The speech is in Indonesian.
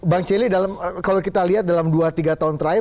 bang celi kalau kita lihat dalam dua tiga tahun terakhir